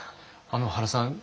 原さん